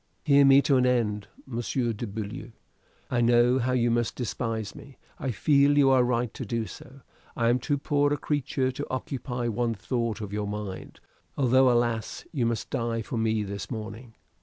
"Hear me to an end, Monsieur de Beaulieu. I know how you must despise me; I feel you are right to do so; I am too poor a creature to occupy one thought of your mind, although, alas! you must die for me this morning.